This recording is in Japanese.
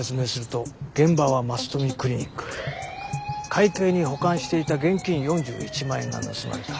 会計に保管していた現金４１万円が盗まれた。